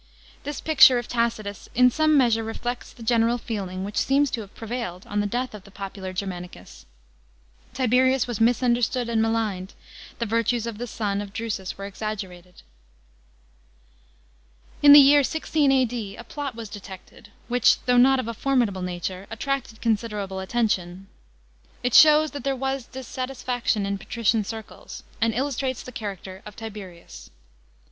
This picture of Tacitus hi some measure reflects the general feeling which seems to have pre vailed on the death of the popular Germanicus. Tiberius was misunderstood and maligned; the virtues of the son of Drusus were exaggerated. § 16. In the year 16 A.D. a plot was detected, which, though not of a formidable nature, attracted considerable attention. It shows that there was dissatisfaction in patrician circles, and illustrates the character of Tiberius.